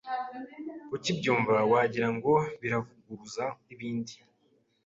Ukibyumva wagira ngo biravuguruza ibindi